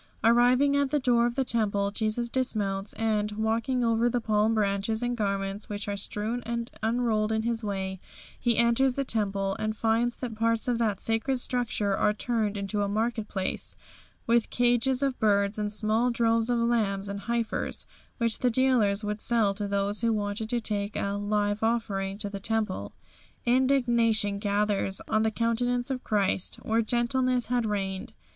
Arriving at the door of the Temple, Jesus dismounts and, walking over the palm branches and garments which are strewn and unrolled in His way, He enters the Temple, and finds that parts of that sacred structure are turned into a marketplace, with cages of birds and small droves of lambs and heifers which the dealers would sell to those who wanted to make a "live offering" in the Temple. Indignation gathers on the countenance of Christ where gentleness had reigned.